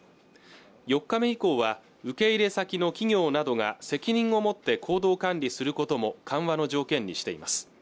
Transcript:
４日目以降は受け入れ先の企業などが責任をもって行動管理することも緩和の条件にしています